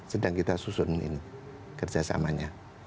sedang kita susun kerjasamanya